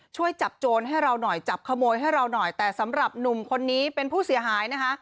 ช่วยจับโจรให้เราหน่อยจับขโมยให้เราหน่อยแต่สำหรับหนุ่มคนนี้เป็นผู้เสียหายนะคะ